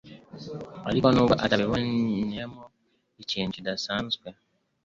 Ariko nubwo atabibonyemo ikintu kidasanzwe,